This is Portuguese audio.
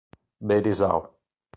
Berizal